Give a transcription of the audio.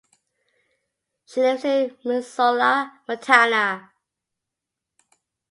She lives in Missoula, Montana.